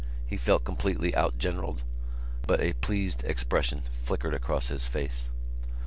He felt completely out generalled. But a pleased expression flickered across his face.